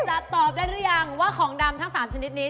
จะตอบได้หรือยังว่าของดำทั้ง๓ชนิดนี้